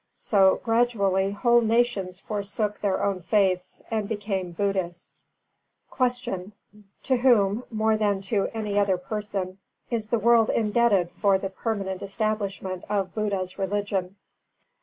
So, gradually, whole nations forsook their own faiths and became Buddhists. 289. Q. _To whom, more than to any other person, is the world indebted for the permanent establishment of Buddha's religion?